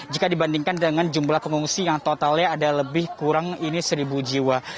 jika dibandingkan dengan jumlah pengungsi yang totalnya ada lebih kurang ini seribu jiwa